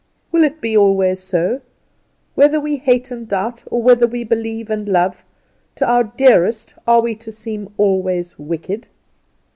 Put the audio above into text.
Will it be always so? Whether we hate and doubt, or whether we believe and love, to our dearest, are we to seem always wicked?